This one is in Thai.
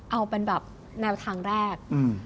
เอาเป็นแบบแนวทางแรก